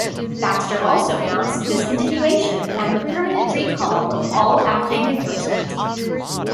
Baxter also announced discontinuation and permanent recall of all Althane equipment.